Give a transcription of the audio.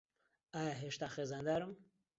ئایا هێشتا خێزاندارم؟